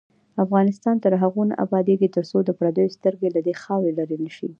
افغانستان تر هغو نه ابادیږي، ترڅو د پردیو سترګې له دې خاورې لرې نشي.